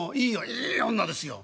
「いい女ですよ」。